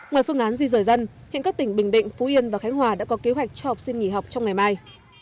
ngoài phương án di rời dân hiện các tỉnh bình định phú yên và khánh hòa đã có kế hoạch cho học sinh nghỉ học trong ngày mai